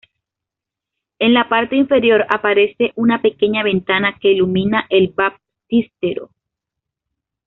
En la parte inferior aparece una pequeña ventana que ilumina el baptisterio.